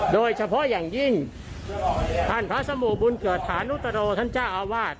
โดยเฉพาะอย่างยิ่งท่านพระสมุบุญเกิดฐานุตโรท่านเจ้าอาวาส